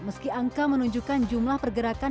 meski angka menunjukkan jumlah pergerakan